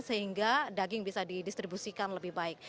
sehingga daging bisa didistribusikan lebih baik